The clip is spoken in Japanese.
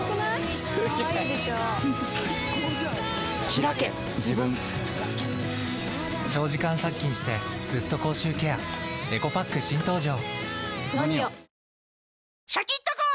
ひらけ自分長時間殺菌してずっと口臭ケアエコパック新登場！